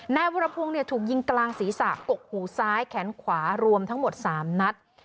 นายวรพงศ์ถูกยิงกลางศีรษะกกหูซ้ายแขนขวารวมทั้งหมด๓นัด